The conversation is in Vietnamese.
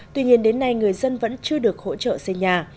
tuy nhiên đến nay người dân vẫn chưa được hỗ trợ xây nhà